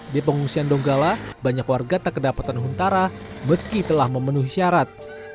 di pengungsian donggala banyak warga tak kedapatan huntara meski telah memenuhi syarat